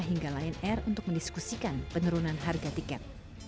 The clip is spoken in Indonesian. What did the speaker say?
hingga lion air untuk mendiskusikan penurunan harga tiket